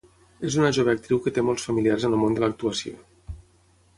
És una jove actriu que té molts familiars en el món de l'actuació.